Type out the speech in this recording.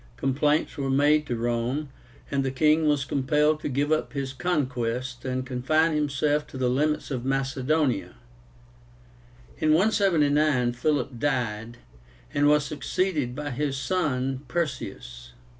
Complaints were made to Rome, and the king was compelled to give up his conquests, and confine himself to the limits of Macedonia. In 179 Philip died, and was succeeded by his son PERSEUS.